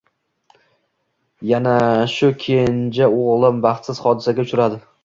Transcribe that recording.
Yana shu kenji o`g`lim baxtsiz hodisaga uchradi